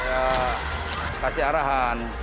ya kasih arahan